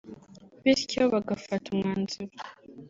bityo bagafata umwanzuro